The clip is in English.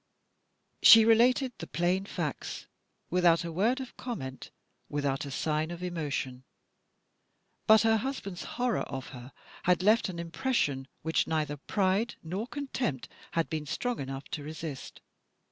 She related the plain facts; without a word of comment, without a sign of emotion. But her husband's horror of her had left an impression, which neither pride nor contempt had been strong enough to resist.